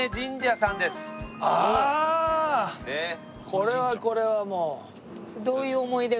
これはこれはもう。